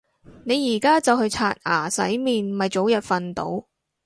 你而家就去刷牙洗面咪早瞓到